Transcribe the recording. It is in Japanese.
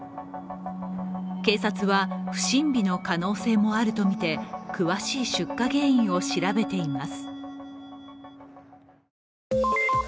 警察は不審火の可能性もあるとみて、詳しい出火原因を調べています。